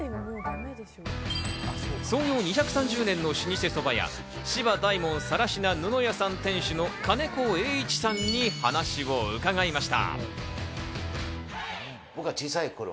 創業２３０年の老舗そばや芝大門更科布屋さん、店主の金子栄一さんに話を伺いました。